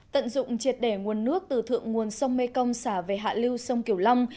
tận dụng triệt để nguồn nước từ thượng nguồn sông mê công xả về hạ lưu sông kiểu long